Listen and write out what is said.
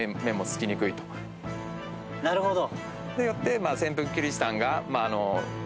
なるほど。